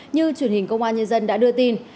như truyền hình công an nhân dân đã đưa tin